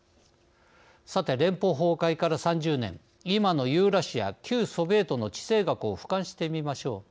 さて、連邦崩壊から３０年今のユーラシア・旧ソビエトの地政学をふかんしてみましょう。